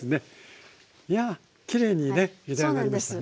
いやきれいにねゆで上がりましたね。